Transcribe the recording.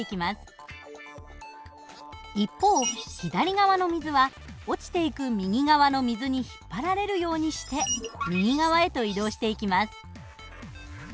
一方左側の水は落ちていく右側の水に引っ張られるようにして右側へと移動していきます。